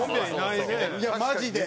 いやマジで。